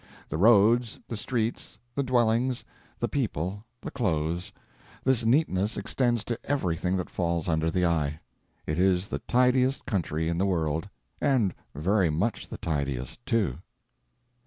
The roads, the streets, the dwellings, the people, the clothes this neatness extends to everything that falls under the eye. It is the tidiest country in the world. And very much the tidiest, too.